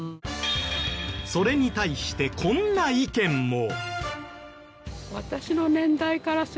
それに対してこんな意見も。